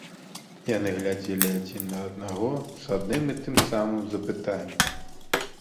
Яны глядзелі адзін на аднаго з адным і тым самым запытаннем.